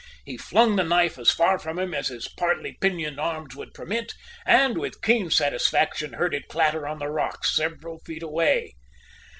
He flung the knife as far from him as his partly pinioned arms would permit, and, with keen satisfaction, heard it clatter on the rocks several feet away.